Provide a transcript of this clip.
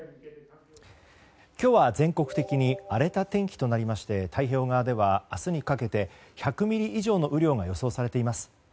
今日は全国的に荒れた天気となりまして太平洋側では明日にかけて１００ミリ以上の雨量が予想されています。